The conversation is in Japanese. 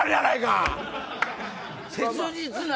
切実な。